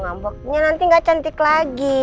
ngampoknya nanti gak cantik lagi